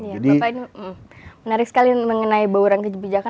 bapak ini menarik sekali mengenai bauran kebijakan